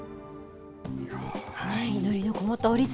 祈りのこもった折り鶴。